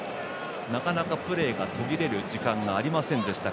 なかなか、プレーが途切れる時間がありませんでした